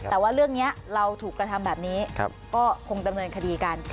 แต่ว่าเรื่องนี้เราถูกกระทำแบบนี้ก็คงดำเนินคดีกัน